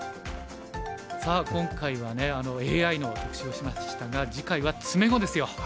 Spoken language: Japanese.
さあ今回はねＡＩの特集をしましたが次回は詰碁ですよ。